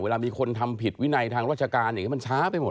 เวลามีคนทำผิดวินัยทางราชการอย่างนี้มันช้าไปหมด